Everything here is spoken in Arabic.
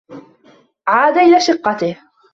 عاد إلى شقّته.